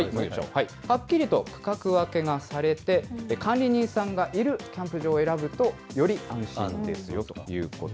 はっきりと区画分けがされて、管理人さんがいるキャンプ場を選ぶと、より安心ですよということ。